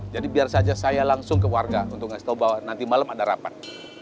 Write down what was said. jadi biar saja saya langsung ke warga untuk kasih tahu bahwa nanti malam ada rapat